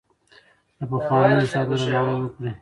د پخوانیو استادانو درناوی وکړئ.